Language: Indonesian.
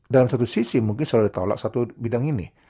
dalam satu sisi mungkin saudara ditolak satu bidang ini